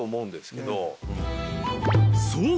［そう！